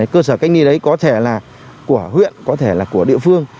cơ sở cách ly đấy có thể là của huyện có thể là của địa phương